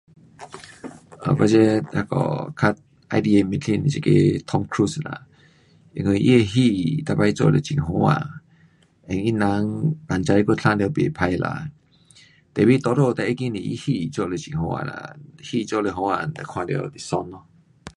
呃我这那个较喜欢的明星是这个 Tom Cruise 啦，因为他的戏每次做了很好看。因为他人，人才有生得不错啦。tapi 多数最要紧他戏是做了很好看啦。啊，戏做了好看，哒看就爽咯。